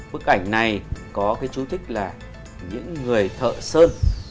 bức ảnh này có cái chú thích là những người thợ sơn